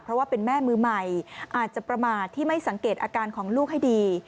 เพราะว่าเป็นแม่มือใหม่อาจจะประมาทที่ไม่สังเกตอาการของลูกให้ดี